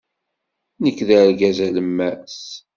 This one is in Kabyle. Nekk d argaz alemmas.